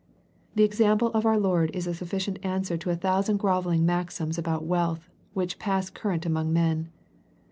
The example of our Lord is a sufficient answer to a thousand grovelling maxims about wealth, which pass current among men.